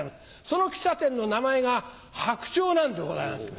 その喫茶店の名前が「白鳥」なんでございます。